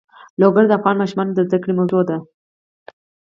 لوگر د افغان ماشومانو د زده کړې موضوع ده.